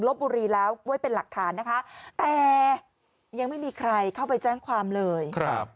บุรีแล้วไว้เป็นหลักฐานนะคะแต่ยังไม่มีใครเข้าไปแจ้งความเลยครับ